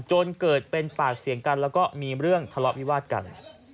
จนเกิดเป็นปากเสียงกันแล้วก็มีเรื่องทะเลาะวิวาดกัน